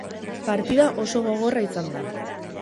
Partida oso gogorra izan da.